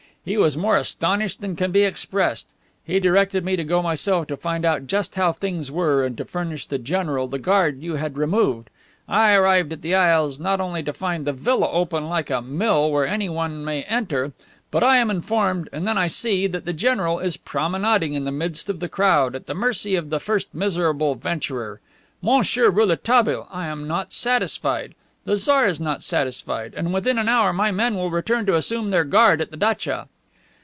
He was more astonished than can be expressed. He directed me to go myself to find out just how things were and to furnish the general the guard you had removed. I arrive at the isles and not only find the villa open like a mill where anyone may enter, but I am informed, and then I see, that the general is promenading in the midst of the crowd, at the mercy of the first miserable venturer. Monsieur Rouletabille, I am not satisfied. The Tsar is not satisfied. And, within an hour, my men will return to assume their guard at the datcha."